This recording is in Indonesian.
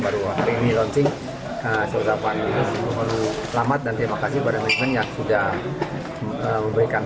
baru hari ini launching seutapan selamat dan terima kasih kepada manajemen yang sudah memberikan